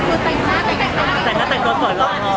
ไม่ได้เจอในคุณหรอก